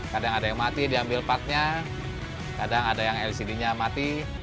kadang ada yang mati diambil partnya kadang ada yang lcd nya mati